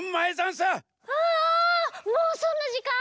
ああもうそんなじかん！？